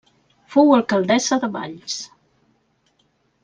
Fou alcaldessa de Valls.